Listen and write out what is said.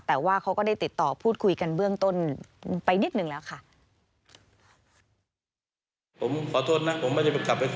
แต่ว่าเขาก็ได้ติดต่อพูดคุยกันเบื้องต้นไปนิดหนึ่งแล้วค่ะ